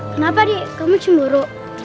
kenapa dik kamu cemburu